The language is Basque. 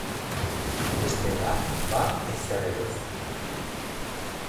Bestela, ba ezer ere ez.